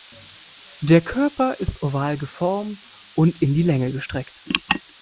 Der Körper ist oval geformt und in die Länge gestreckt.